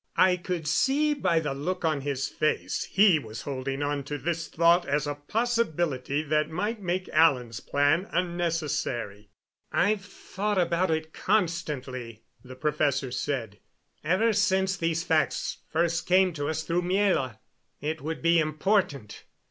I could see by the look on his face he was holding on to this thought as a possibility that might make Alan's plan unnecessary. "I've thought about it constantly," the professor said, "ever since these facts first came to us through Miela. It would be important.